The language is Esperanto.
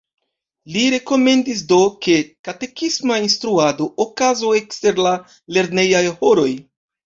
Li rekomendis, do, ke katekisma instruado okazu ekster la lernejaj horoj.